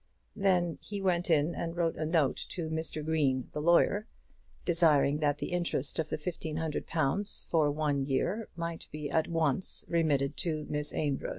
Then he went in and wrote a note to Mr. Green, the lawyer, desiring that the interest of the fifteen hundred pounds for one year might be at once remitted to Miss Amedroz.